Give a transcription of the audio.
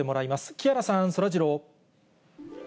木原さん、そらジロー。